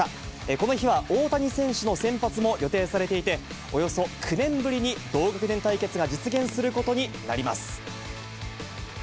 この日は大谷選手の先発も予定されていて、およそ９年ぶりに同学年対決が実現することになります。